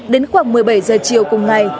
đến khoảng một mươi bảy giờ chiều cùng ngày